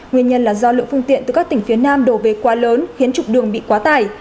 nguyên nhân là do lượng phương tiện từ các tỉnh phía nam đổ về quá lớn khiến trục đường bị quá tải